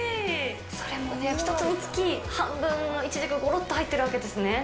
それもね、大きい半分のいちじく、ごろっと入っているわけですね。